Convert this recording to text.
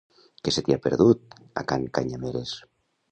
Què se t'hi ha perdut, a Can Canyameres?